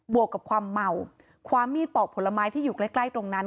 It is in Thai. วกกับความเมาความมีดปอกผลไม้ที่อยู่ใกล้ใกล้ตรงนั้น